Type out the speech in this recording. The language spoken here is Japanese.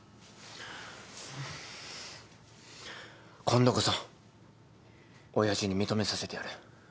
今度こそ親父に認めさせてやる。